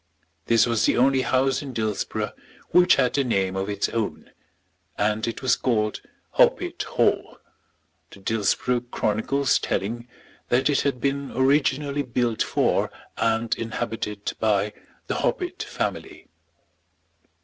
This was the only house in Dillsborough which had a name of its own, and it was called Hoppet Hall, the Dillsborough chronicles telling that it had been originally built for and inhabited by the Hoppet family.